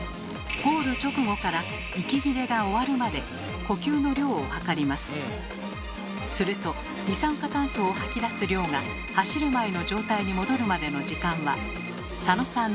ゴール直後からすると二酸化炭素を吐き出す量が走る前の状態に戻るまでの時間は佐野さん